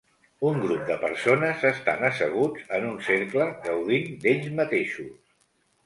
Un grup de persones estan asseguts en un cercle gaudint d'ells mateixos.